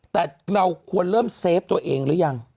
แต่เราควรเริ่มเซฟตัวเองหรือยัง